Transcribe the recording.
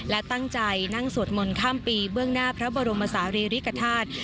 และตั้งใจนั่งสวดมนต์ข้ามปีเบื้องหน้าพระบรมศาลีริกฐาตุ